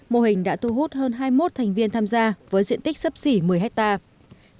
mô hình đã thu hút hơn hai mươi một thành viên tham gia với diện tích sấp xỉ một mươi hectare